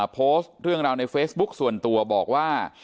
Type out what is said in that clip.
โพสต์เรื่องราวในเฟซบุ๊คส่วนตัวบอกว่า